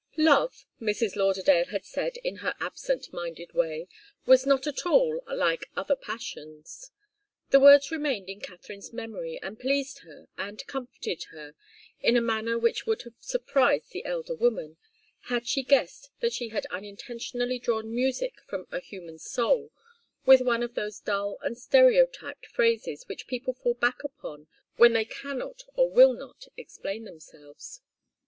Love, Mrs. Lauderdale had said in her absent minded way, was not at all like other passions. The words remained in Katharine's memory and pleased her and comforted her in a manner which would have surprised the elder woman, had she guessed that she had unintentionally drawn music from a human soul with one of those dull and stereotyped phrases which people fall back upon when they cannot or will not explain themselves.